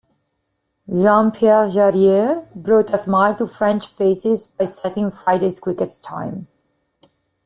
Jean-Pierre Jarier brought a smile to French faces by setting Friday's quickest time.